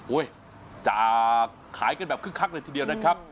อุ๊ยจะขายกันแบบครึ่งครักเลยทีเดียวนะครับ